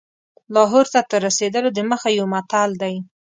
لاهور ته تر رسېدلو دمخه یو متل دی.